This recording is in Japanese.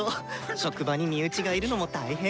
職場に身内がいるのも大変。